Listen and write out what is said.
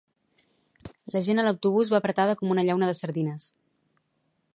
La gent a l'autobús va apretada com una llauna de sardines